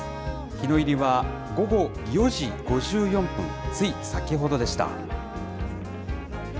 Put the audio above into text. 日の入りは午後４時５４分、つい先ほどでした。